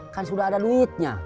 kan sudah ada duitnya